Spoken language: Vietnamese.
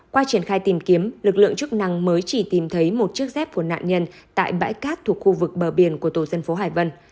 qua triển khai tìm kiếm lực lượng chức năng mới chỉ tìm thấy một chiếc dép của nạn nhân tại bãi cát thuộc khu vực bờ biển của tổ dân phố hải vân